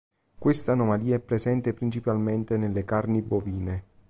Questa anomalia è presente principalmente nelle carni bovine.